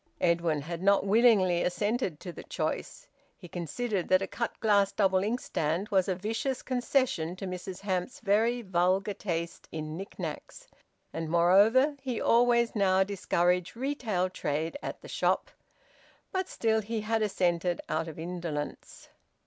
Edwin had not willingly assented to the choice. He considered that a cut glass double inkstand was a vicious concession to Mrs Hamps's very vulgar taste in knick knacks, and, moreover, he always now discouraged retail trade at the shop. But still, he had assented, out of indolence.